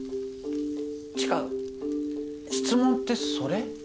知花質問ってそれ？